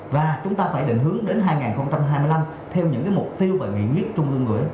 và chúng ta phải định hướng đến hai nghìn hai mươi năm theo những cái mục tiêu và nghị quyết trung ương nổi